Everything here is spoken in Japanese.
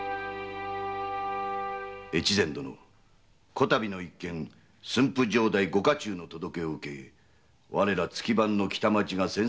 こたびの一件駿府城代ご家中の届けを受け我ら月番の北町が詮索致しおること。